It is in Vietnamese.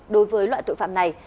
đối với loại tội phạm này